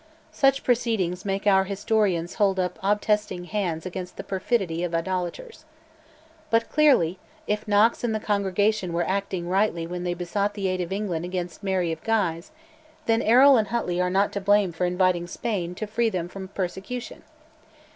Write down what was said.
Such proceedings make our historians hold up obtesting hands against the perfidy of idolaters. But clearly, if Knox and the congregation were acting rightly when they besought the aid of England against Mary of Guise, then Errol and Huntly are not to blame for inviting Spain to free them from persecution.